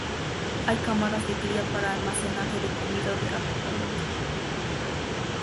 Hay cámaras de cría, para almacenaje de comida o de acoplamiento.